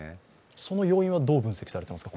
その要因はどう分析されていますか？